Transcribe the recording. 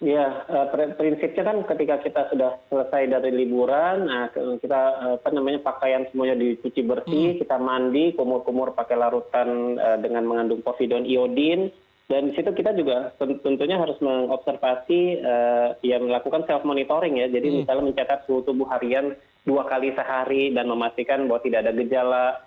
ya prinsipnya kan ketika kita sudah selesai dari liburan kita pakaian semuanya dicuci bersih kita mandi kumur kumur pakai larutan dengan mengandung providon iodin dan di situ kita juga tentunya harus mengobservasi ya melakukan self monitoring ya jadi misalnya mencetak suhu tubuh harian dua kali sehari dan memastikan bahwa tidak ada gejala